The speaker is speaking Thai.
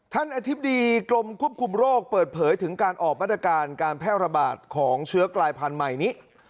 อธิบดีกรมควบคุมโรคเปิดเผยถึงการออกมาตรการการแพร่ระบาดของเชื้อกลายพันธุ์ใหม่นี้